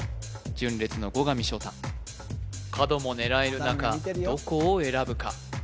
純烈の後上翔太角も狙える中どこを選ぶか？